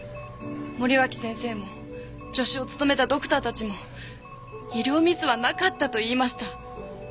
森脇先生も助手を務めたドクターたちも医療ミスはなかったと言いました。